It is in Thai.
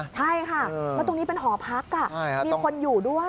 ใช่ค่ะแล้วตรงนี้เป็นหอพักมีคนอยู่ด้วย